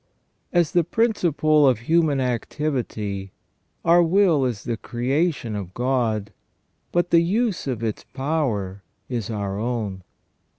As the principle of human activity our will is the creation of God, but the use of its power is our own.